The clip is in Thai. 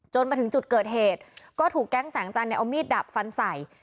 มาถึงจุดเกิดเหตุก็ถูกแก๊งแสงจันทร์เอามีดดับฟันใส่